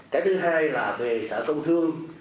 cái thứ hai là về xã công thương